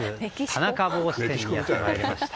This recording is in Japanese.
田中帽子店にやってまいりました。